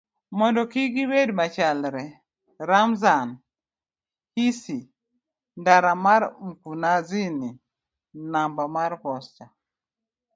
mondo kik gibed machalre. Ramzan Hirsi ndara mar Mkunazini namba mar posta